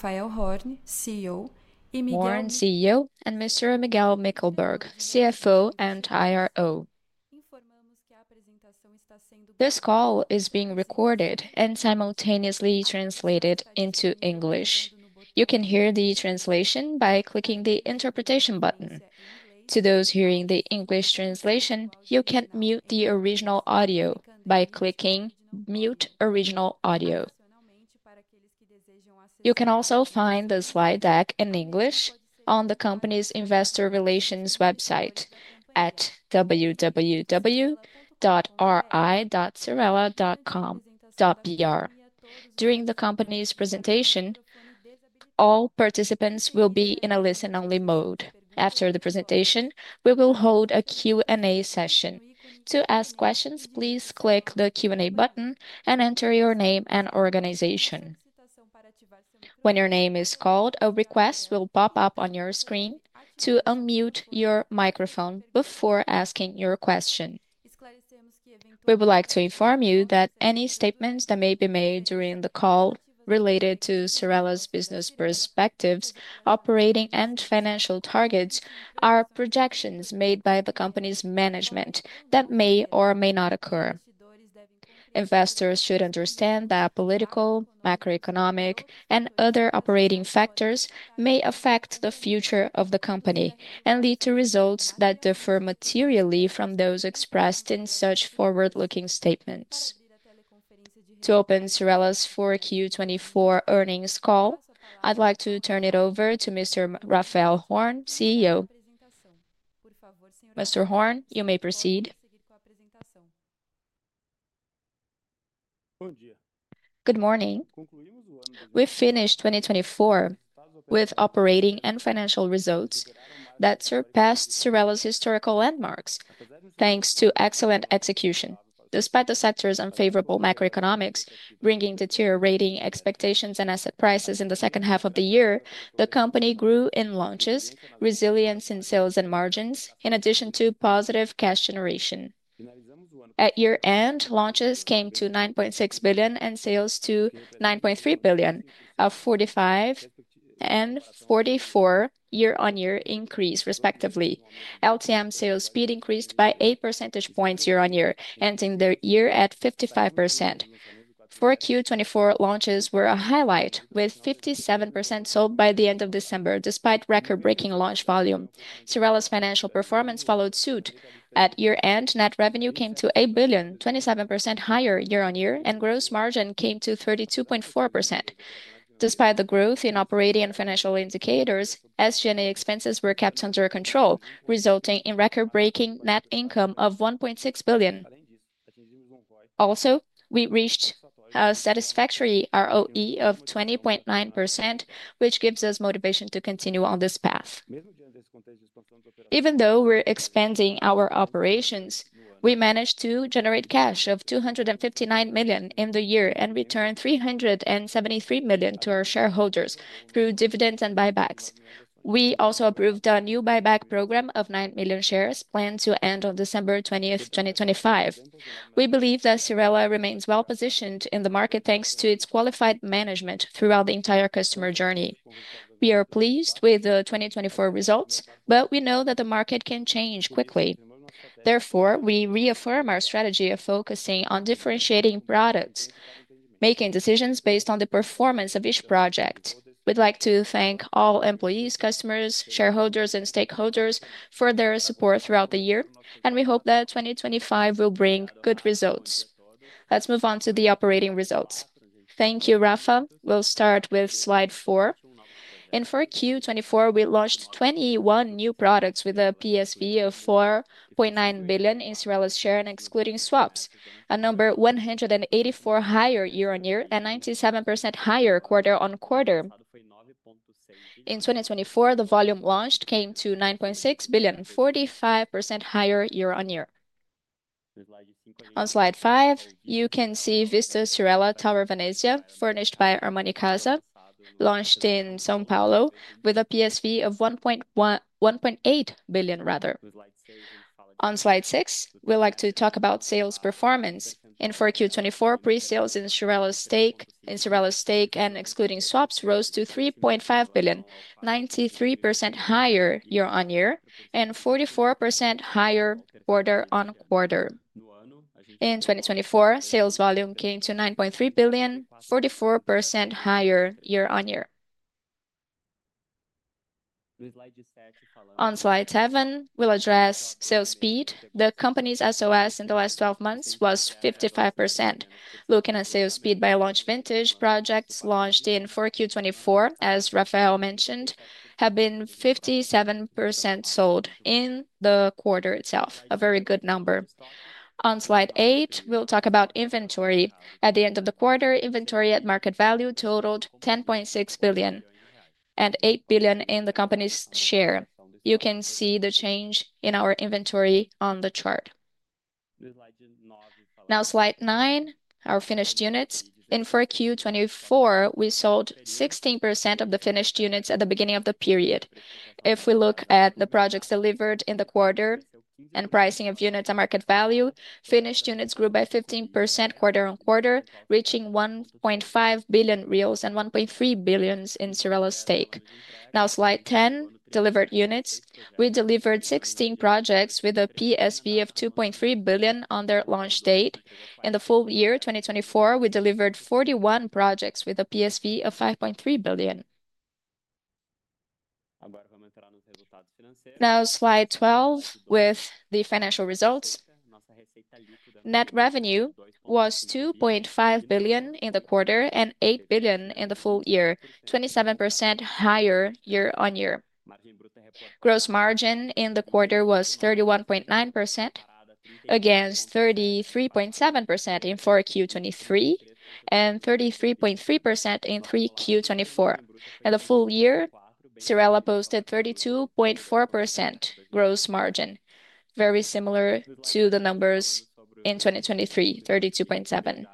Rafael Horn, CEO, and Miguel. Horn, CEO, and Mr. Miguel Mickelberg, CFO and IRO. Informamos que a apresentação está sendo. This call is being recorded and simultaneously translated into English. You can hear the translation by clicking the interpretation button. To those hearing the English translation, you can mute the original audio by clicking Mute Original Audio. You can also find the slide deck in English on the company's investor relations website at www.ri.cyrela.com.br. During the company's presentation, all participants will be in a listen-only mode. After the presentation, we will hold a Q&A session. To ask questions, please click the Q&A button and enter your name and organization. When your name is called, a request will pop up on your screen to unmute your microphone before asking your question. We would like to inform you that any statements that may be made during the call related to Cyrela's business perspectives, operating, and financial targets are projections made by the company's management that may or may not occur. Investors should understand that political, macroeconomic, and other operating factors may affect the future of the company and lead to results that differ materially from those expressed in such forward-looking statements. To open Cyrela's 4Q24 earnings call, I'd like to turn it over to Mr. Rafael Horn, CEO. Mr. Horn, you may proceed. Bom dia. Good morning. We finished 2024 with operating and financial results that surpassed Cyrela's historical landmarks, thanks to excellent execution. Despite the sector's unfavorable macroeconomics bringing deteriorating expectations and asset prices in the second half of the year, the company grew in launches, resilience in sales, and margins, in addition to positive cash generation. At year-end, launches came to 9.6 billion and sales to 9.3 billion, a 45% and 44% year-on-year increase, respectively. LTM sales speed increased by 8 percentage points year-on-year, ending the year at 55%. 4Q24 launches were a highlight, with 57% sold by the end of December, despite record-breaking launch volume. Cyrela's financial performance followed suit. At year-end, net revenue came to 8 billion, 27% higher year-on-year, and gross margin came to 32.4%. Despite the growth in operating and financial indicators, SG&A expenses were kept under control, resulting in record-breaking net income of 1.6 billion. Also, we reached a satisfactory ROE of 20.9%, which gives us motivation to continue on this path. Even though we're expanding our operations, we managed to generate cash of 259 million in the year and return 373 million to our shareholders through dividends and buybacks. We also approved a new buyback program of 9 million shares planned to end on December 20, 2025. We believe that Cyrela remains well-positioned in the market, thanks to its qualified management throughout the entire customer journey. We are pleased with the 2024 results, but we know that the market can change quickly. Therefore, we reaffirm our strategy of focusing on differentiating products, making decisions based on the performance of each project. We'd like to thank all employees, customers, shareholders, and stakeholders for their support throughout the year, and we hope that 2025 will bring good results. Let's move on to the operating results. Thank you, Rafa. We'll start with slide four. In 4Q 2024, we launched 21 new products with a PSV of 4.9 billion in Cyrela's share and excluding swaps, a number 184% higher year-on-year and 97% higher quarter on quarter. In 2024, the volume launched came to 9.6 billion, 45% higher year-on-year. On slide five, you can see Vista Cyrela Tower Venezia, furnished by Armani Casa, launched in São Paulo with a PSV of 1.8 billion, rather. On slide six, we'd like to talk about sales performance. In 4Q 2024, pre-sales in Cyrela's stake, in Cyrela's stake and excluding swaps, rose to 3.5 billion, 93% higher year-on-year and 44% higher quarter on quarter. In 2024, sales volume came to 9.3 billion, 44% higher year-on-year. On slide seven, we'll address sales speed. The company's SOS in the last 12 months was 55%. Looking at sales speed by launch vintage, projects launched in 4Q 2024, as Rafael mentioned, have been 57% sold in the quarter itself, a very good number. On slide eight, we'll talk about inventory. At the end of the quarter, inventory at market value totaled 10.6 billion and 8 billion in the company's share. You can see the change in our inventory on the chart. Now slide nine, our finished units. In 4Q 2024, we sold 16% of the finished units at the beginning of the period. If we look at the projects delivered in the quarter and pricing of units at market value, finished units grew by 15% quarter on quarter, reaching 1.5 billion reais and 1.3 billion in Cyrela's stake. Now slide ten, delivered units. We delivered 16 projects with a PSV of 2.3 billion on their launch date. In the full year 2024, we delivered 41 projects with a PSV of 5.3 billion. Now slide twelve with the financial results. Net revenue was 2.5 billion in the quarter and 8 billion in the full year, 27% higher year-on-year. Gross margin in the quarter was 31.9% against 33.7% in 4Q23 and 33.3% in 3Q24. In the full year, Cyrela posted 32.4% gross margin, very similar to the numbers in 2023, 32.7%.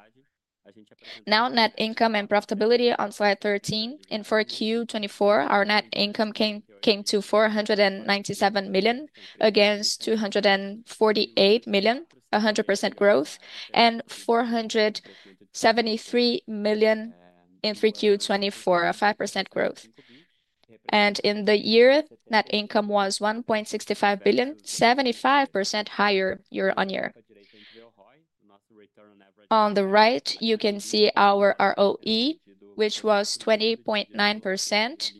Now net income and profitability on slide 13. In 4Q24, our net income came to 497 million against 248 million, 100% growth, and 473 million in 3Q24, a 5% growth. In the year, net income was 1.65 billion, 75% higher year-on-year. On the right, you can see our ROE, which was 20.9%,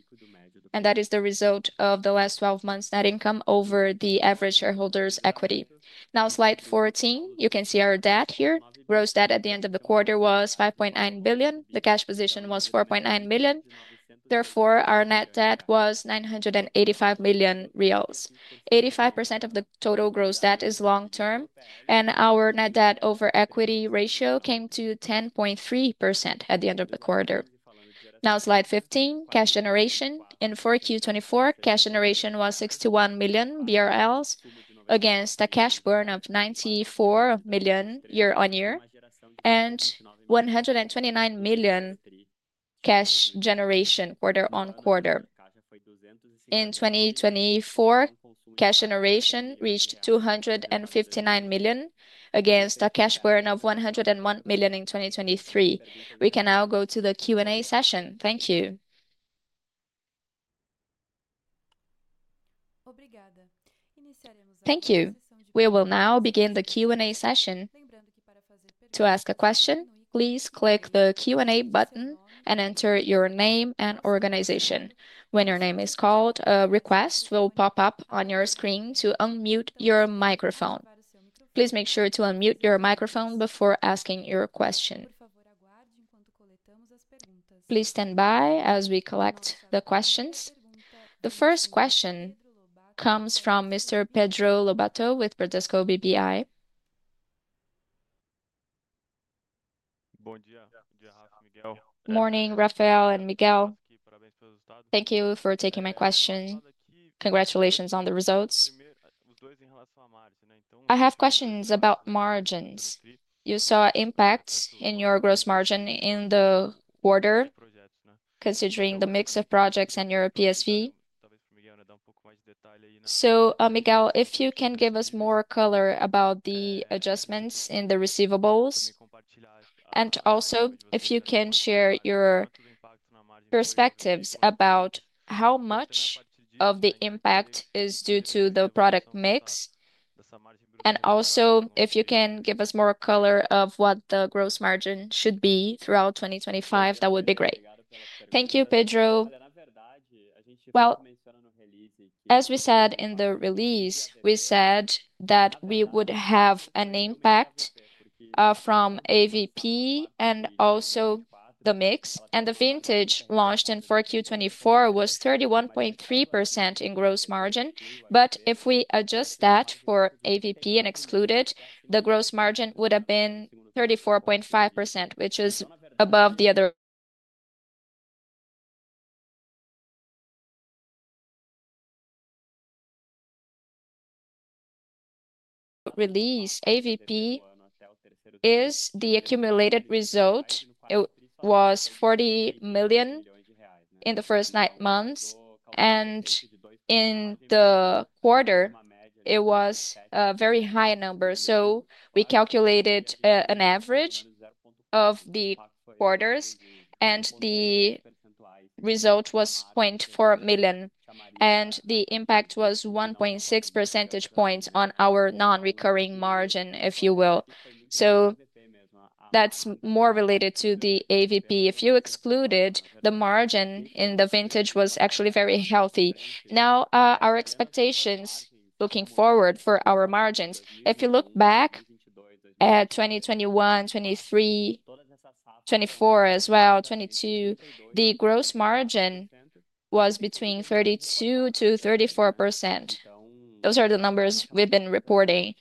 and that is the result of the last 12 months' net income over the average shareholder's equity. Now slide 14, you can see our debt here. Gross debt at the end of the quarter was 5.9 billion. The cash position was 4.9 million. Therefore, our net debt was 985 million reais. 85% of the total gross debt is long-term, and our net debt over equity ratio came to 10.3% at the end of the quarter. Now slide 15, cash generation. In 4Q24, cash generation was 61 million BRL against a cash burn of 94 million year-on-year and 129 million cash generation quarter on quarter. In 2024, cash generation reached 259 million against a cash burn of 101 million in 2023. We can now go to the Q&A session. Thank you. Obrigada. Thank you. We will now begin the Q&A session. To ask a question, please click the Q&A button and enter your name and organization. When your name is called, a request will pop up on your screen to unmute your microphone. Please make sure to unmute your microphone before asking your question. Por favor, aguarde. Coletamos as perguntas. Please stand by as we collect the questions. The first question comes from Mr. Pedro Lobato with Bradesco BBI. Bom dia. Morning, Rafael and Miguel. Thank you for taking my question. Congratulations on the results. I have questions about margins. You saw impacts in your gross margin in the quarter, considering the mix of projects and your PSV. Miguel, if you can give us more color about the adjustments in the receivables, and also if you can share your perspectives about how much of the impact is due to the product mix, and also if you can give us more color of what the gross margin should be throughout 2025, that would be great. Thank you, Pedro. As we said in the release, we said that we would have an impact from AVP and also the mix. The vintage launched in 4Q24 was 31.3% in gross margin, but if we adjust that for AVP and exclude it, the gross margin would have been 34.5%, which is above the other release. AVP is the accumulated result. It was 40 million in the first nine months, and in the quarter, it was a very high number. We calculated an average of the quarters, and the result was 0.4 million, and the impact was 1.6 percentage points on our non-recurring margin, if you will. That is more related to the AVP. If you excluded the margin in the vintage, it was actually very healthy. Now, our expectations looking forward for our margins. If you look back at 2021, 2023, 2024 as well, 2022, the gross margin was between 32-34%. Those are the numbers we've been reporting.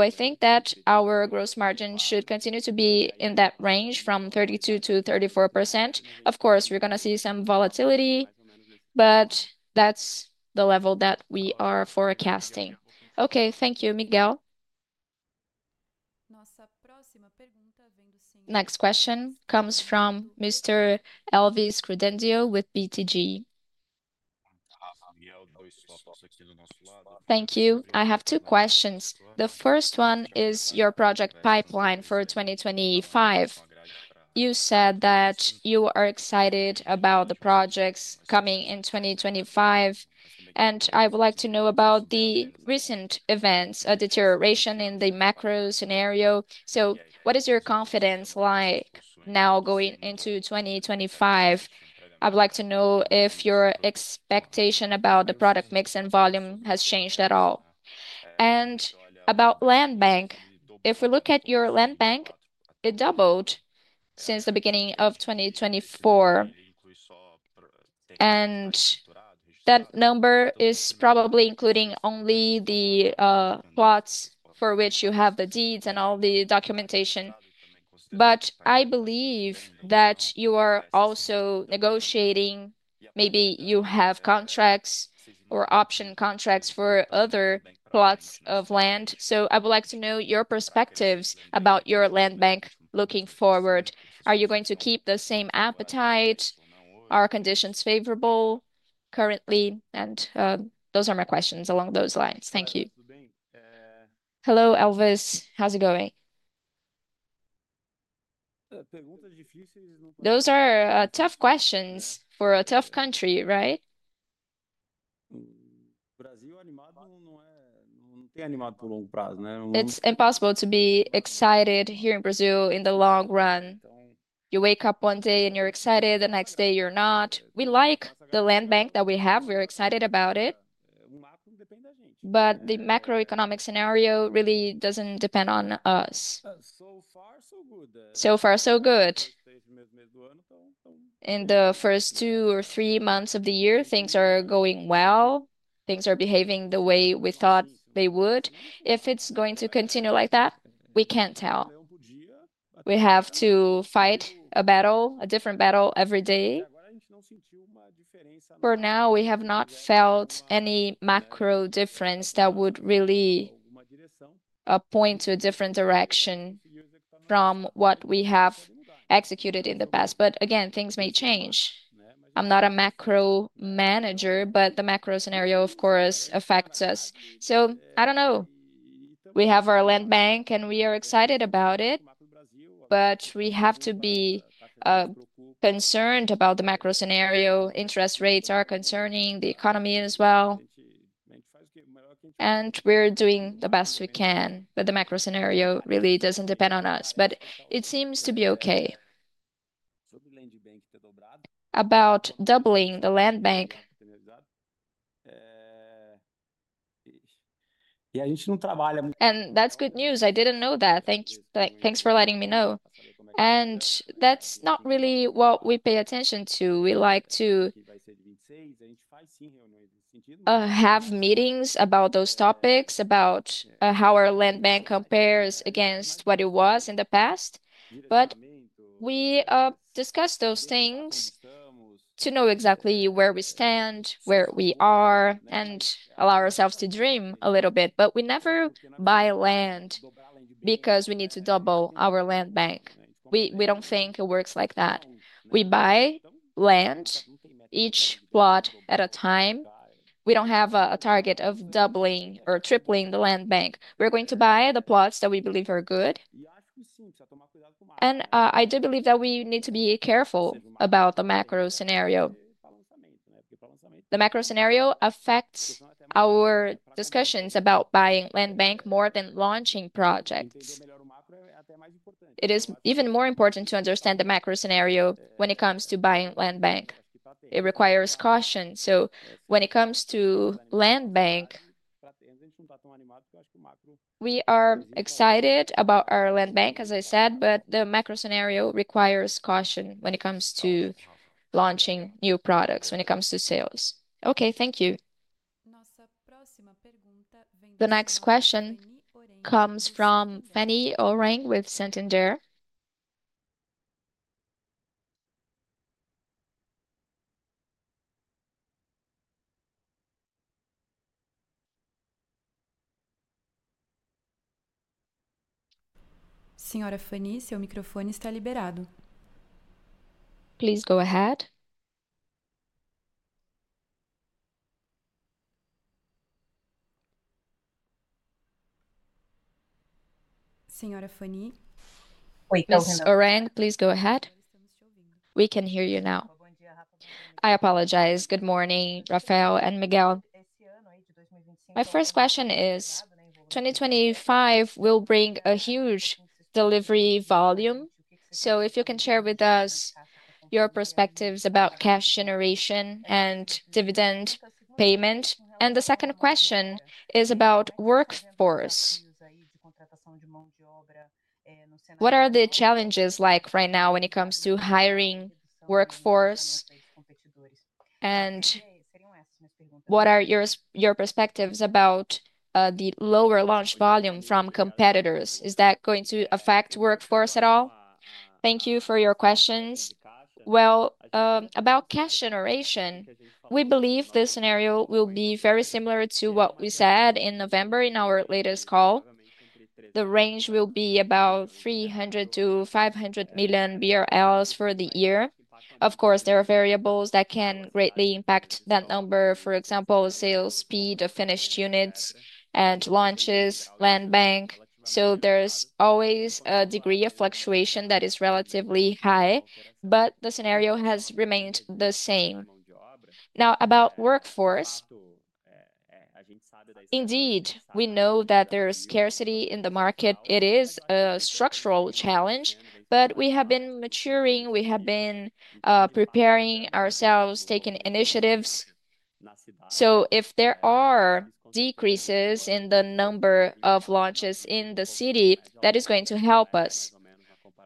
I think that our gross margin should continue to be in that range from 32-34%. Of course, we're going to see some volatility, but that's the level that we are forecasting. Okay, thank you, Miguel. next question comes from the gentleman. Next question comes from Mr. Elvis Credendio with BTG. Thank you. I have two questions. The first one is your project pipeline for 2025. You said that you are excited about the projects coming in 2025, and I would like to know about the recent events, a deterioration in the macro scenario. What is your confidence like now going into 2025? I would like to know if your expectation about the product mix and volume has changed at all. About land bank, if we look at your land bank, it doubled since the beginning of 2024, and that number is probably including only the plots for which you have the deeds and all the documentation. I believe that you are also negotiating; maybe you have contracts or option contracts for other plots of land. I would like to know your perspectives about your land bank looking forward. Are you going to keep the same appetite? Are conditions favorable currently? Those are my questions along those lines. Thank you. Hello, Elvis. How's it going? Those are tough questions for a tough country, right? Brasil animado não é, não tem animado para o longo prazo, né? It's impossible to be excited here in Brazil in the long run. You wake up one day and you're excited; the next day you're not. We like the land bank that we have; we're excited about it. The macroeconomic scenario really doesn't depend on us. So far, so good. In the first two or three months of the year, things are going well. Things are behaving the way we thought they would. If it's going to continue like that, we can't tell. We have to fight a battle, a different battle every day. For now, we have not felt any macro difference that would really point to a different direction from what we have executed in the past. Again, things may change. I'm not a macro manager, but the macro scenario, of course, affects us. I don't know. We have our land bank, and we are excited about it, but we have to be concerned about the macro scenario. Interest rates are concerning the economy as well, and we're doing the best we can, but the macro scenario really does not depend on us, but it seems to be okay. About doubling the land bank. That's good news. I didn't know that. Thanks for letting me know. That's not really what we pay attention to. We like to have meetings about those topics, about how our land bank compares against what it was in the past. We discuss those things to know exactly where we stand, where we are, and allow ourselves to dream a little bit. We never buy land because we need to double our land bank. We don't think it works like that. We buy land each plot at a time. We don't have a target of doubling or tripling the land bank. We're going to buy the plots that we believe are good. I do believe that we need to be careful about the macro scenario. The macro scenario affects our discussions about buying land bank more than launching projects. It is even more important to understand the macro scenario when it comes to buying land bank. It requires caution. When it comes to land bank, we are excited about our land bank, as I said, but the macro scenario requires caution when it comes to launching new products, when it comes to sales. Okay, thank you. The next question comes from Fanny Oreng with Santander. Senhora Fanny, seu microfone está liberado. Please go ahead. Senhora Fanny. Oh, it is Oreng, please go ahead. We can hear you now. I apologize. Good morning, Rafael and Miguel. My first question is, 2025 will bring a huge delivery volume. If you can share with us your perspectives about cash generation and dividend payment. The second question is about workforce. What are the challenges like right now when it comes to hiring workforce? What are your perspectives about the lower launch volume from competitors? Is that going to affect workforce at all? Thank you for your questions. About cash generation, we believe this scenario will be very similar to what we said in November in our latest call. The range will be about 300 million-500 million BRL for the year. Of course, there are variables that can greatly impact that number, for example, sales speed of finished units and launches, land bank. There is always a degree of fluctuation that is relatively high, but the scenario has remained the same. About workforce, indeed, we know that there is scarcity in the market. It is a structural challenge, but we have been maturing. We have been preparing ourselves, taking initiatives. If there are decreases in the number of launches in the city, that is going to help us.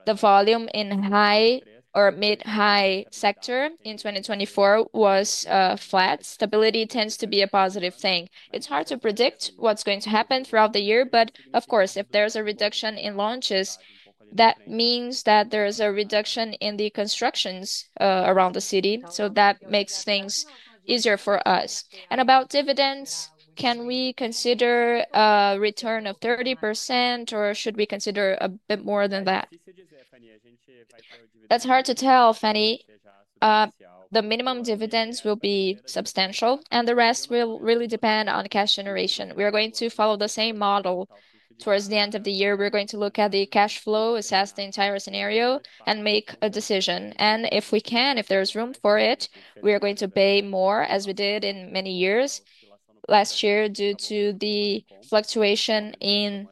The volume in high or mid-high sector in 2024 was flat. Stability tends to be a positive thing. It's hard to predict what's going to happen throughout the year, but of course, if there's a reduction in launches, that means that there's a reduction in the constructions around the city. That makes things easier for us. About dividends, can we consider a return of 30%, or should we consider a bit more than that? That's hard to tell, Fanny. The minimum dividends will be substantial, and the rest will really depend on cash generation. We are going to follow the same model towards the end of the year. We're going to look at the cash flow, assess the entire scenario, and make a decision. If we can, if there's room for it, we are going to pay more as we did in many years. Last year, due to the fluctuation in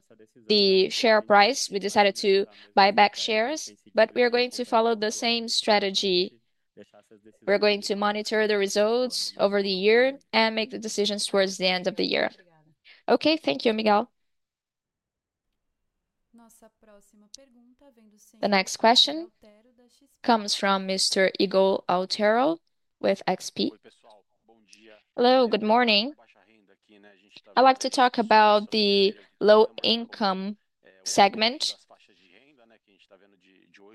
the share price, we decided to buy back shares, but we are going to follow the same strategy. We are going to monitor the results over the year and make the decisions towards the end of the year. Okay, thank you, Miguel. The next question comes from Mr. Ygor Altero with XP. Hello, good morning. I like to talk about the low-income segment.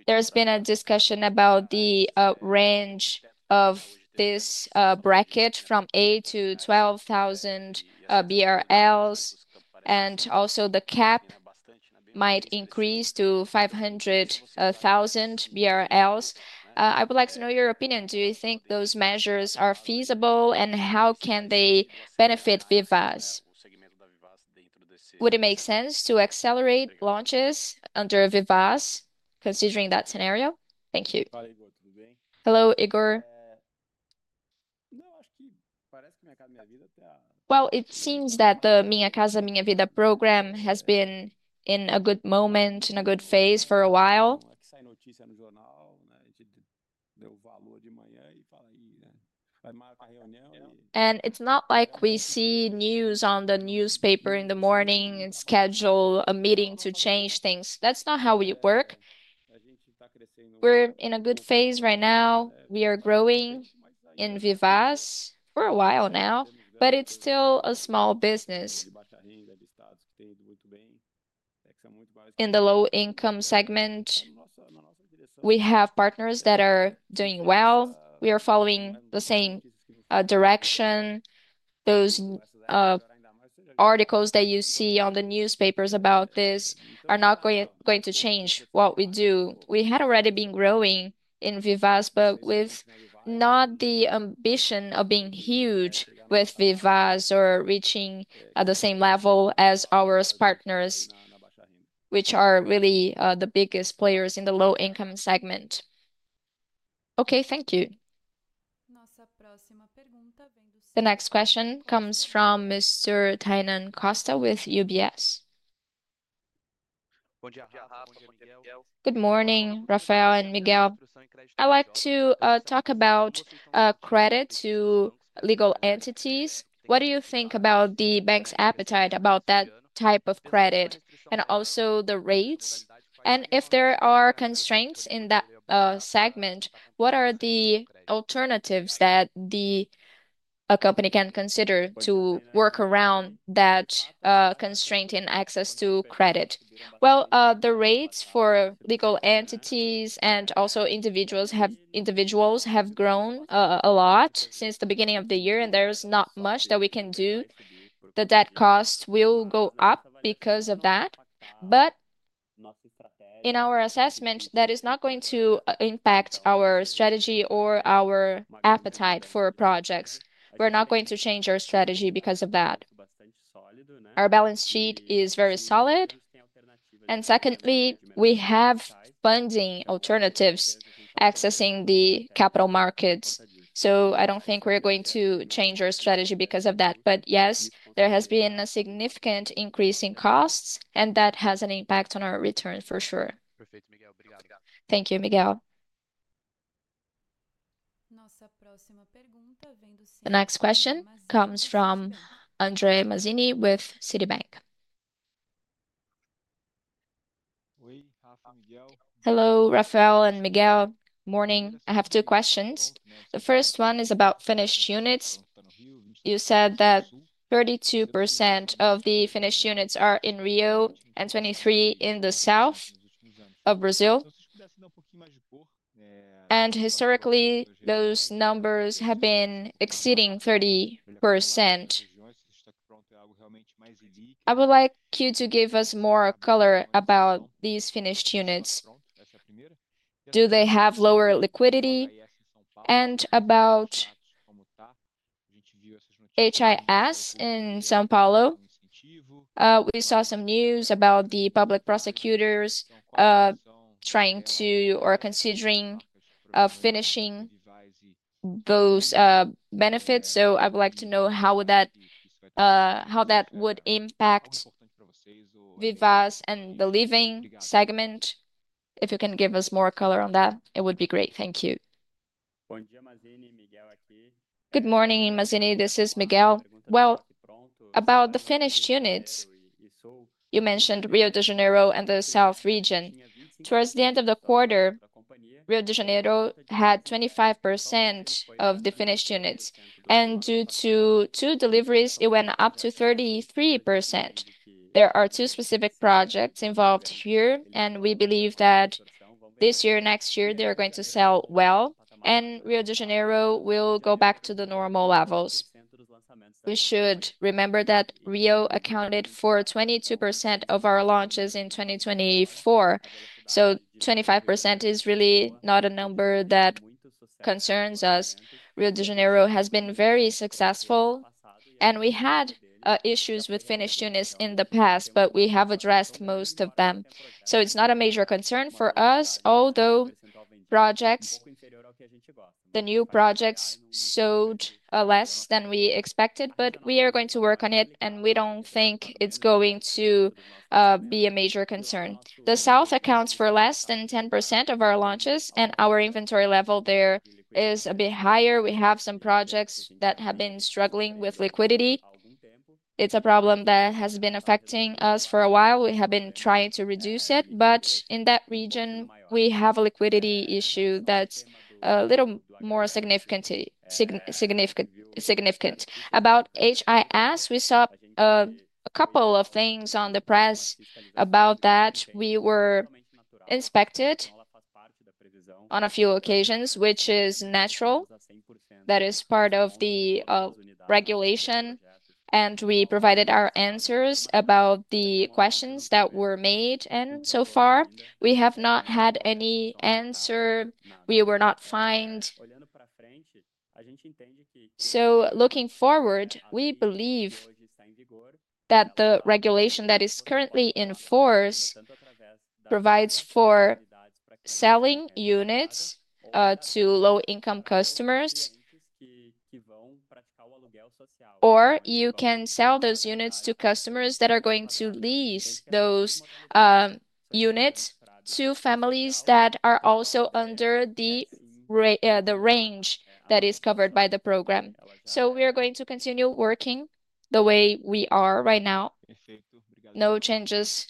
There has been a discussion about the range of this bracket from 8,000-12,000 BRL, and also the cap might increase to 500,000 BRL. I would like to know your opinion. Do you think those measures are feasible, and how can they benefit Vivaz? Would it make sense to accelerate launches under Vivaz, considering that scenario? Thank you. Hello, Igor. Well, it seems that the Minha Casa Minha Vida program has been in a good moment, in a good phase for a while. It is not like we see news on the newspaper in the morning and schedule a meeting to change things. That is not how we work. We are in a good phase right now. We are growing in Vivaz for a while now, but it's still a small business. In the low-income segment, we have partners that are doing well. We are following the same direction. Those articles that you see on the newspapers about this are not going to change what we do. We had already been growing in Vivaz, but with not the ambition of being huge with Vivaz or reaching at the same level as our partners, which are really the biggest players in the low-income segment. Okay, thank you. The next question comes from Mr. Tainan Costa with UBS. Good morning, Rafael and Miguel. I like to talk about credit to legal entities. What do you think about the bank's appetite about that type of credit and also the rates? If there are constraints in that segment, what are the alternatives that the company can consider to work around that constraint in access to credit? The rates for legal entities and also individuals have grown a lot since the beginning of the year, and there's not much that we can do. The debt costs will go up because of that. In our assessment, that is not going to impact our strategy or our appetite for projects. We're not going to change our strategy because of that. Our balance sheet is very solid. Secondly, we have funding alternatives accessing the capital markets. I don't think we're going to change our strategy because of that. Yes, there has been a significant increase in costs, and that has an impact on our returns for sure. Thank you, Miguel. The next question comes from André Mazini with Citibank. Hello, Rafael and Miguel. Morning. I have two questions. The first one is about finished units. You said that 32% of the finished units are in Rio and 23% in the south of Brazil. Historically, those numbers have been exceeding 30%. I would like you to give us more color about these finished units. Do they have lower liquidity? About HIS in São Paulo? We saw some news about the public prosecutors trying to or considering finishing those benefits. I would like to know how that would impact Vivaz and the Living segment. If you can give us more color on that, it would be great. Thank you. Good morning, Mazini. This is Miguel. About the finished units, you mentioned Rio de Janeiro and the south region. Towards the end of the quarter, Rio de Janeiro had 25% of the finished units. Due to two deliveries, it went up to 33%. There are two specific projects involved here, and we believe that this year and next year, they're going to sell well, and Rio de Janeiro will go back to the normal levels. We should remember that Rio accounted for 22% of our launches in 2024. 25% is really not a number that concerns us. Rio de Janeiro has been very successful, and we had issues with finished units in the past, but we have addressed most of them. It is not a major concern for us, although the new projects sold less than we expected, but we are going to work on it, and we do not think it is going to be a major concern. The South accounts for less than 10% of our launches, and our inventory level there is a bit higher. We have some projects that have been struggling with liquidity. It's a problem that has been affecting us for a while. We have been trying to reduce it, but in that region, we have a liquidity issue that's a little more significant. About HIS, we saw a couple of things on the press about that. We were inspected on a few occasions, which is natural. That is part of the regulation, and we provided our answers about the questions that were made. So far, we have not had any answer. We were not fined. Looking forward, we believe that the regulation that is currently in force provides for selling units to low-income customers or you can sell those units to customers that are going to lease those units to families that are also under the range that is covered by the program. We are going to continue working the way we are right now. No changes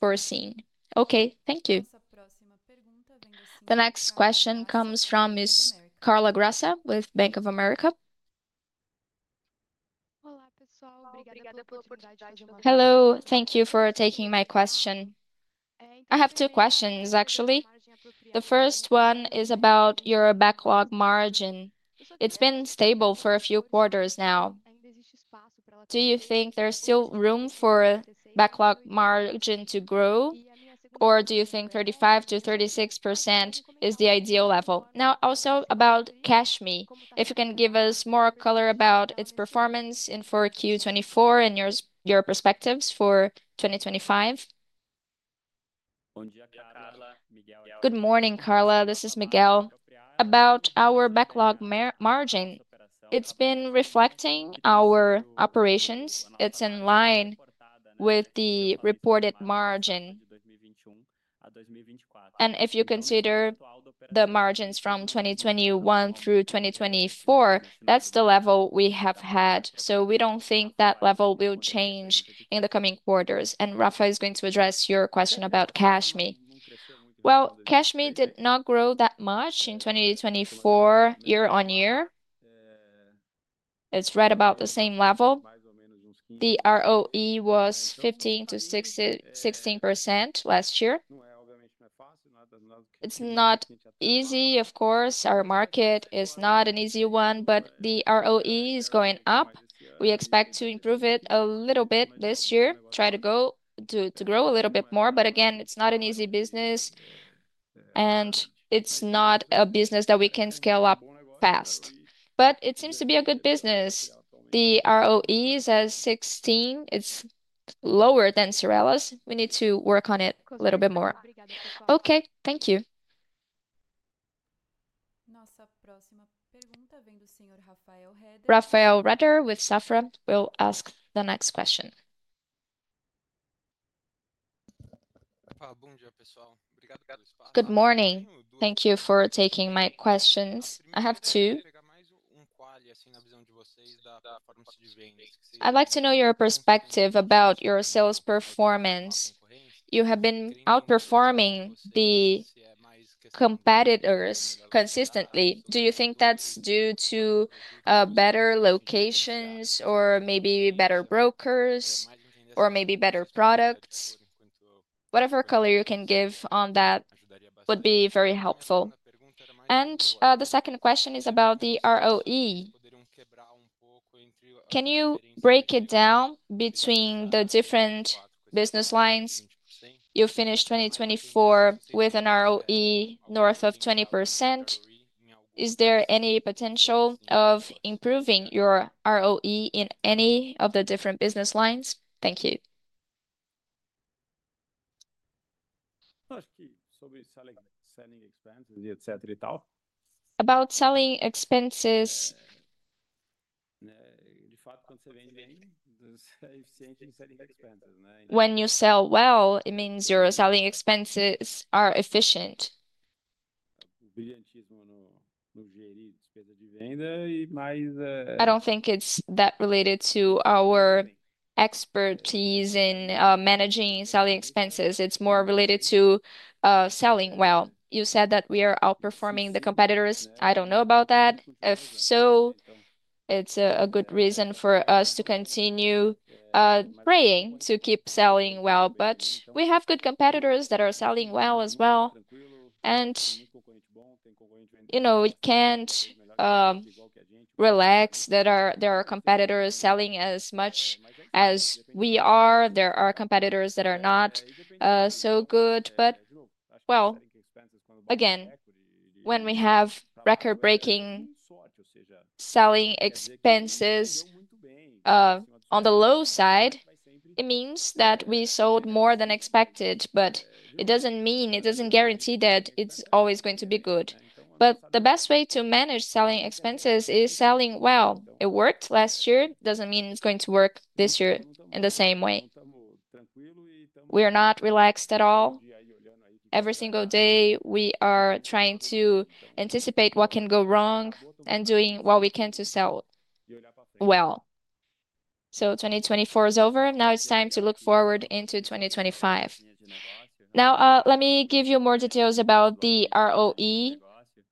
foreseen. Okay, thank you. The next question comes from Ms. Carla Graça with Bank of America. Hello, thank you for taking my question. I have two questions, actually. The first one is about your backlog margin. It's been stable for a few quarters now. Do you think there's still room for backlog margin to grow, or do you think 35%-36% is the ideal level? Now, also about CashMe, if you can give us more color about its performance in 4Q 2024 and your perspectives for 2025. Good morning, Carla. This is Miguel. About our backlog margin, it's been reflecting our operations. It's in line with the reported margin. And if you consider the margins from 2021 through 2024, that's the level we have had. We do not think that level will change in the coming quarters. Rafael is going to address your question about CashMe. CashMe did not grow that much in 2024 year on year. It is right about the same level. The ROE was 15%-16% last year. It is not easy, of course. Our market is not an easy one, but the ROE is going up. We expect to improve it a little bit this year, try to grow a little bit more. Again, it is not an easy business, and it is not a business that we can scale up fast. It seems to be a good business. The ROE is 16%. It is lower than Cyrela's. We need to work on it a little bit more. Thank you. Rafael Rehder with Safra will ask the next question. Good morning. Thank you for taking my questions. I have two. I'd like to know your perspective about your sales performance. You have been outperforming the competitors consistently. Do you think that's due to better locations or maybe better brokers or maybe better products? Whatever color you can give on that would be very helpful. The second question is about the ROE. Can you break it down between the different business lines? You finished 2024 with an ROE north of 20%. Is there any potential of improving your ROE in any of the different business lines? Thank you. About selling expenses. When you sell well, it means your selling expenses are efficient. I don't think it's that related to our expertise in managing selling expenses. It's more related to selling well. You said that we are outperforming the competitors. I don't know about that. If so, it's a good reason for us to continue praying to keep selling well. We have good competitors that are selling well as well. You know, we can't relax that there are competitors selling as much as we are. There are competitors that are not so good. Again, when we have record-breaking selling expenses on the low side, it means that we sold more than expected. It doesn't mean, it doesn't guarantee that it's always going to be good. The best way to manage selling expenses is selling well. It worked last year. It doesn't mean it's going to work this year in the same way. We are not relaxed at all. Every single day, we are trying to anticipate what can go wrong and doing what we can to sell well. 2024 is over. Now it's time to look forward into 2025. Now, let me give you more details about the ROE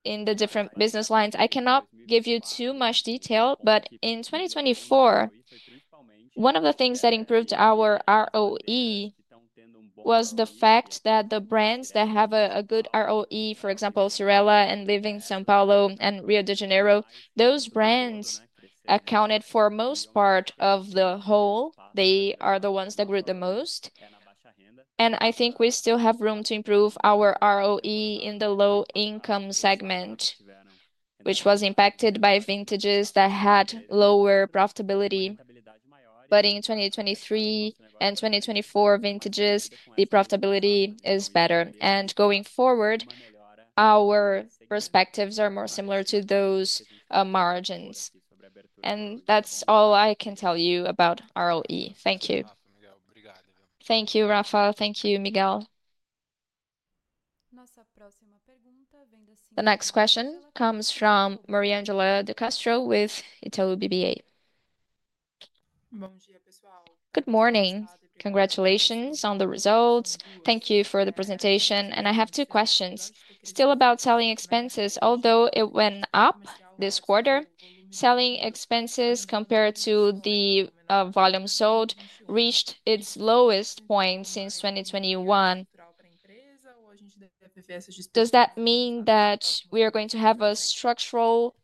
in the different business lines. I cannot give you too much detail, but in 2024, one of the things that improved our ROE was the fact that the brands that have a good ROE, for example, Cyrela and Living São Paulo and Rio de Janeiro, those brands accounted for most part of the whole. They are the ones that grew the most. I think we still have room to improve our ROE in the low-income segment, which was impacted by vintages that had lower profitability. In 2023 and 2024 vintages, the profitability is better. Going forward, our perspectives are more similar to those margins. That's all I can tell you about ROE. Thank you. Thank you, Rafael. Thank you, Miguel. The next question comes from Mariangela de Castro with Itaú BBA. Bom dia, pessoal. Good morning. Congratulations on the results. Thank you for the presentation. I have two questions. Still about selling expenses, although it went up this quarter, selling expenses compared to the volume sold reached its lowest point since 2021. Does that mean that we are going to have a structural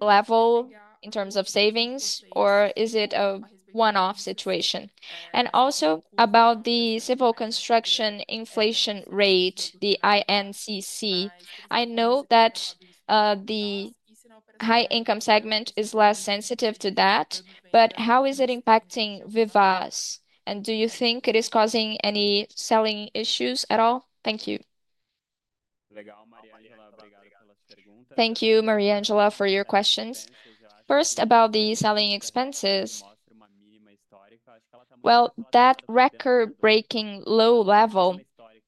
level in terms of savings, or is it a one-off situation? Also about the civil construction inflation rate, the INCC. I know that the high-income segment is less sensitive to that, but how is it impacting Vivaz? Do you think it is causing any selling issues at all? Thank you. Thank you, Mariangela, for your questions. First, about the selling expenses. That record-breaking low level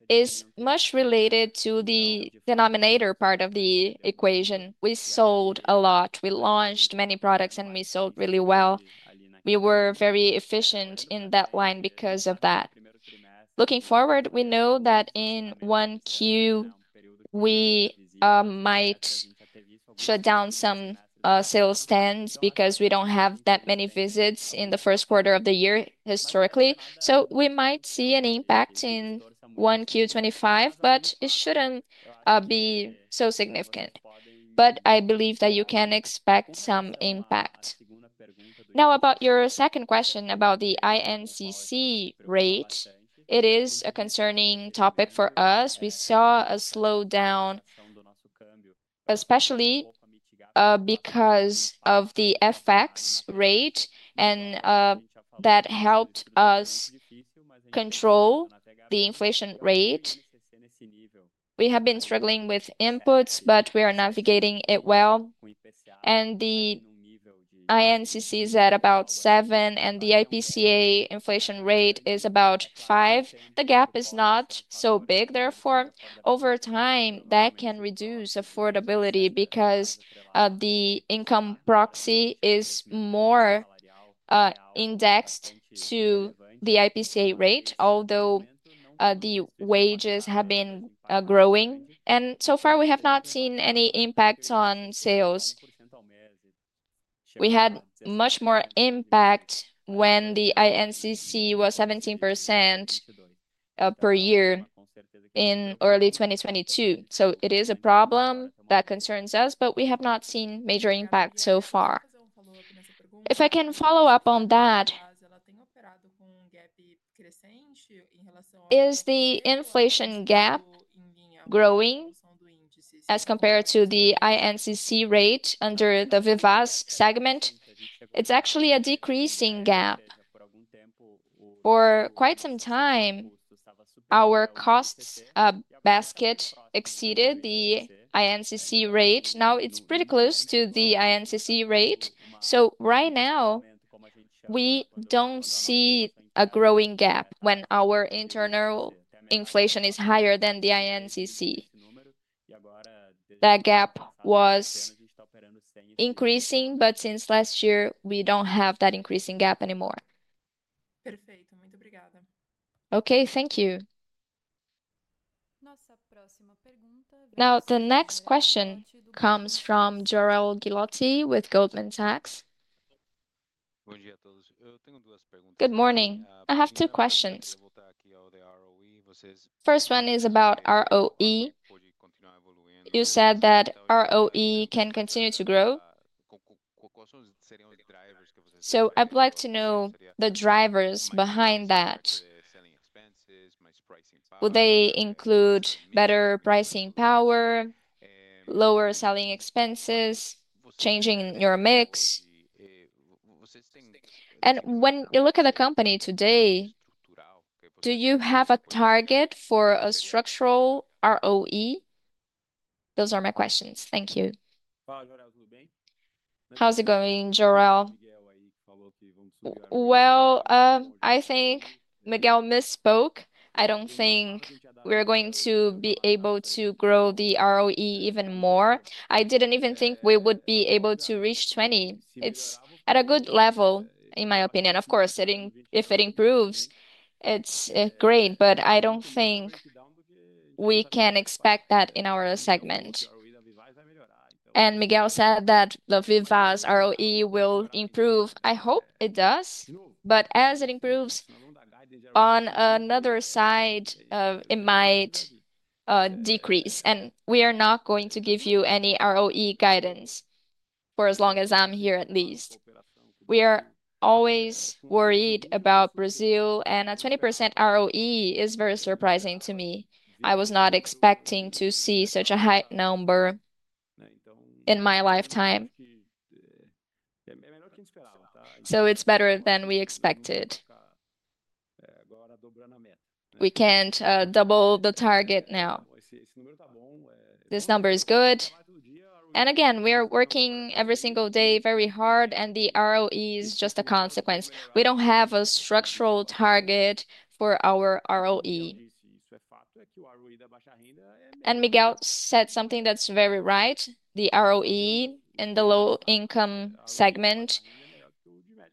is much related to the denominator part of the equation. We sold a lot. We launched many products, and we sold really well. We were very efficient in that line because of that. Looking forward, we know that in one Q, we might shut down some sales stands because we do not have that many visits in the first quarter of the year historically. We might see an impact in one Q25, but it should not be so significant. I believe that you can expect some impact. Now, about your second question about the INCC rate, it is a concerning topic for us. We saw a slowdown, especially because of the FX rate, and that helped us control the inflation rate. We have been struggling with inputs, but we are navigating it well. The INCC is at about 7%, and the IPCA inflation rate is about 5%. The gap is not so big. Therefore, over time, that can reduce affordability because the income proxy is more indexed to the IPCA rate, although the wages have been growing. So far, we have not seen any impact on sales. We had much more impact when the INCC was 17% per year in early 2022. It is a problem that concerns us, but we have not seen major impact so far. If I can follow up on that, is the inflation gap growing as compared to the INCC rate under the Vivaz segment? It's actually a decreasing gap. For quite some time, our costs basket exceeded the INCC rate. Now it's pretty close to the INCC rate. Right now, we don't see a growing gap when our internal inflation is higher than the INCC. That gap was increasing, but since last year, we don't have that increasing gap anymore. Okay, thank you. Now, the next question comes from Jorel Guillotti with Goldman Sachs. Bom dia, a todos. Good morning. I have two questions. First one is about ROE. You said that ROE can continue to grow. I'd like to know the drivers behind that. Would they include better pricing power, lower selling expenses, changing your mix? When you look at the company today, do you have a target for a structural ROE? Those are my questions. Thank you. How's it going, Jorel? I think Miguel misspoke. I don't think we're going to be able to grow the ROE even more. I didn't even think we would be able to reach 20%. It's at a good level, in my opinion. Of course, if it improves, it's great, but I don't think we can expect that in our segment. Miguel said that the Vivaz ROE will improve. I hope it does, but as it improves, on another side, it might decrease. We are not going to give you any ROE guidance for as long as I'm here, at least. We are always worried about Brazil, and a 20% ROE is very surprising to me. I was not expecting to see such a high number in my lifetime. It is better than we expected. We can't double the target now. This number is good. Again, we are working every single day very hard, and the ROE is just a consequence. We don't have a structural target for our ROE. Miguel said something that's very right. The ROE in the low-income segment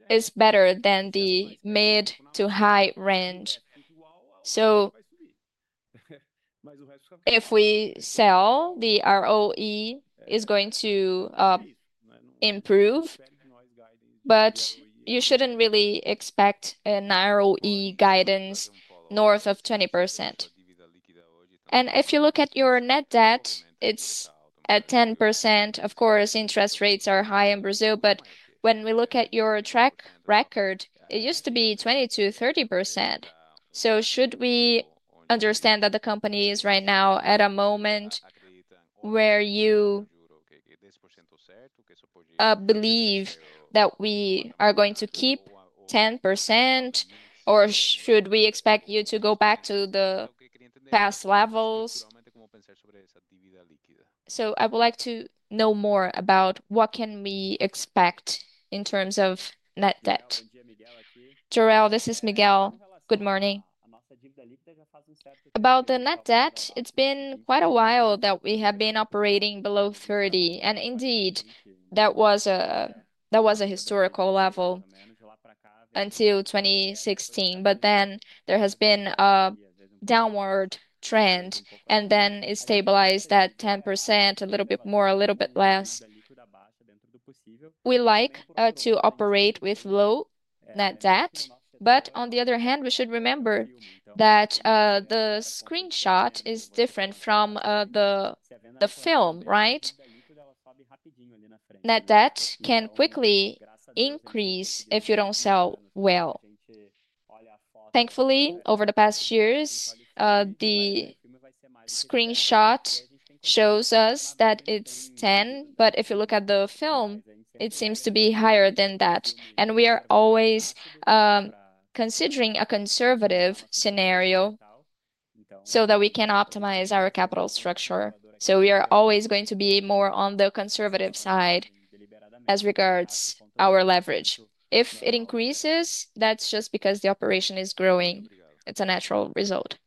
is better than the mid to high range. If we sell, the ROE is going to improve, but you shouldn't really expect an ROE guidance north of 20%. If you look at your net debt, it's at 10%. Of course, interest rates are high in Brazil, but when we look at your track record, it used to be 20%-30%. Should we understand that the company is right now at a moment where you believe that we are going to keep 10%, or should we expect you to go back to the past levels? I would like to know more about what can we expect in terms of net debt. Jorel, this is Miguel. Good morning. About the net debt, it has been quite a while that we have been operating below 30. That was a historical level until 2016. There has been a downward trend, and it stabilized at 10%, a little bit more, a little bit less. We like to operate with low net debt, but on the other hand, we should remember that the screenshot is different from the film, right? Net debt can quickly increase if you do not sell well. Thankfully, over the past years, the screenshot shows us that it is 10, but if you look at the film, it seems to be higher than that. We are always considering a conservative scenario so that we can optimize our capital structure. We are always going to be more on the conservative side as regards our leverage. If it increases, that is just because the operation is growing. It is a natural result.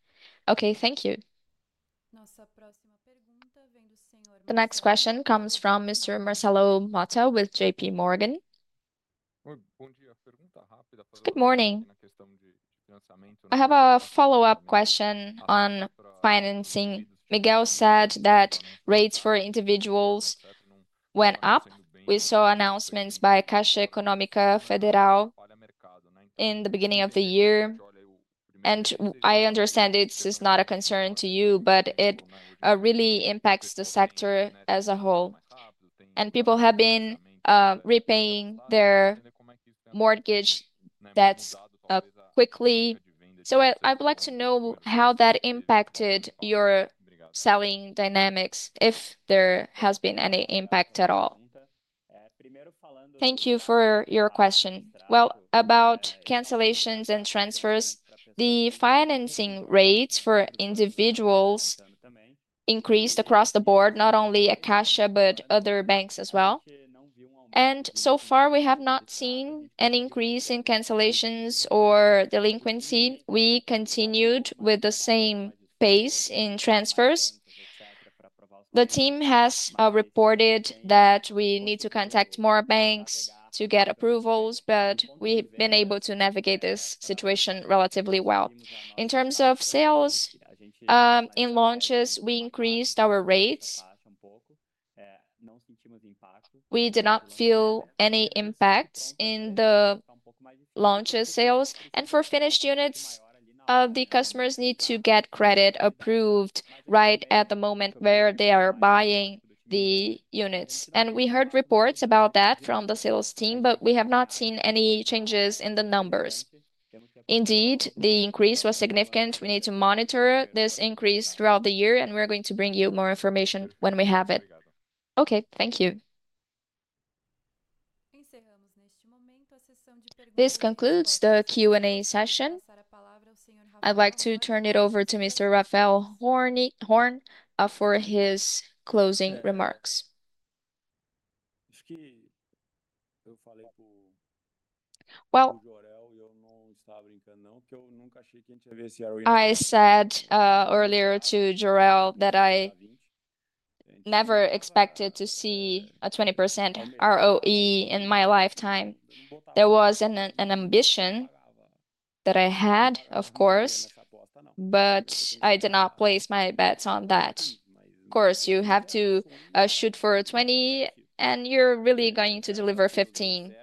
Okay, thank you. The next question comes from Mr. Marcelo Motta with JP Morgan. Good morning. I have a follow-up question on financing. Miguel said that rates for individuals went up. We saw announcements by Caixa Econômica Federal in the beginning of the year. I understand this is not a concern to you, but it really impacts the sector as a whole. People have been repaying their mortgage debts quickly. I'd like to know how that impacted your selling dynamics, if there has been any impact at all. Thank you for your question. About cancellations and transfers, the financing rates for individuals increased across the board, not only at Caixa, but other banks as well. So far, we have not seen an increase in cancellations or delinquency. We continued with the same pace in transfers. The team has reported that we need to contact more banks to get approvals, but we've been able to navigate this situation relatively well. In terms of sales, in launches, we increased our rates. We did not feel any impact in the launches sales. For finished units, the customers need to get credit approved right at the moment where they are buying the units. We heard reports about that from the sales team, but we have not seen any changes in the numbers. Indeed, the increase was significant. We need to monitor this increase throughout the year, and we're going to bring you more information when we have it. Okay, thank you. This concludes the Q&A session. I'd like to turn it over to Mr. Rafael Horn for his closing remarks. I said earlier to Jorel that I never expected to see a 20% ROE in my lifetime. There was an ambition that I had, of course, but I did not place my bets on that. Of course, you have to shoot for 20, and you're really going to deliver 15.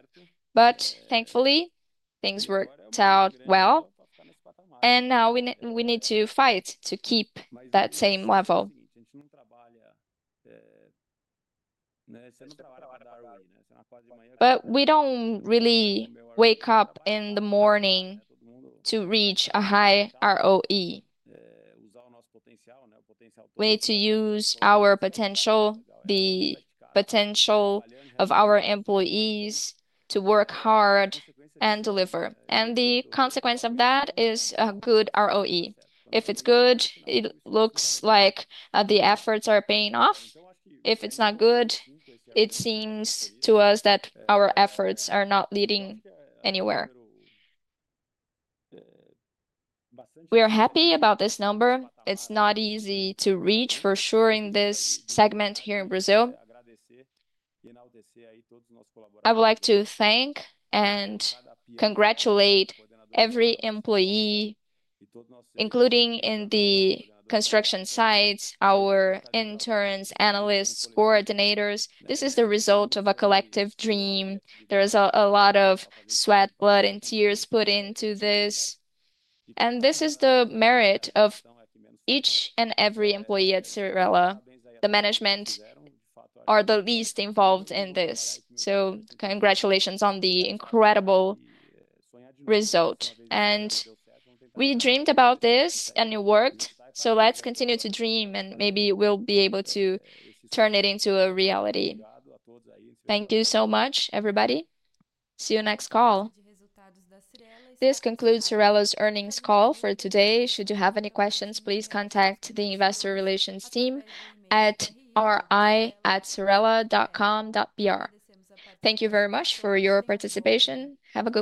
Thankfully, things worked out well, and now we need to fight to keep that same level. We do not really wake up in the morning to reach a high ROE. We need to use our potential, the potential of our employees, to work hard and deliver. The consequence of that is a good ROE. If it is good, it looks like the efforts are paying off. If it is not good, it seems to us that our efforts are not leading anywhere. We are happy about this number. It is not easy to reach, for sure, in this segment here in Brazil. I would like to thank and congratulate every employee, including in the construction sites, our interns, analysts, coordinators. This is the result of a collective dream. There is a lot of sweat, blood, and tears put into this. This is the merit of each and every employee at Cyrela. The management are the least involved in this. Congratulations on the incredible result. We dreamed about this, and it worked. Let's continue to dream, and maybe we'll be able to turn it into a reality. Thank you so much, everybody. See you next call. This concludes Cyrela's earnings call for today. Should you have any questions, please contact the investor relations team at ri@cyrela.com.br. Thank you very much for your participation. Have a good day.